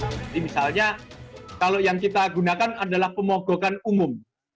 jadi misalnya kalau yang kita gunakan adalah pemogokan umum